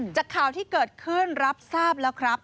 จากข่าวที่เกิดขึ้นรับทราบแล้วครับ